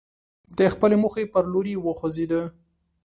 د خپلې موخې پر لوري وخوځېدو.